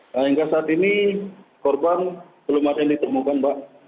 nah hingga saat ini korban belum ada yang ditemukan mbak